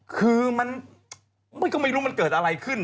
คือมันก็ไม่รู้มันเกิดอะไรขึ้น